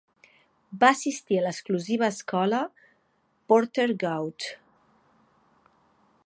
Va assistir a l'exclusiva escola Porter-Gaud.